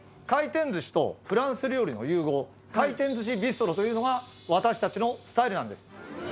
回転ずしとフランス料理の融合、回転ずしビストロというのが、私たちのスタイルなんです。